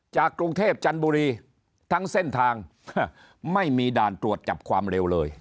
กรุงเทพจันทบุรีทั้งเส้นทางไม่มีด่านตรวจจับความเร็วเลย